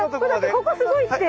ここすごいって！